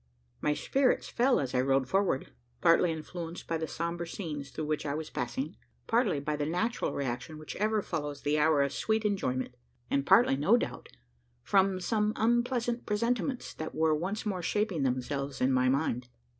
My spirits fell as I rode forward partly influenced by the sombre scenes through which I was passing partly by the natural reaction which ever follows the hour of sweet enjoyment and partly, no doubt, from some unpleasant presentiments that were once more shaping themselves in my mind.